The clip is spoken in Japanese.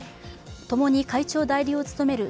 共に会長代理を務める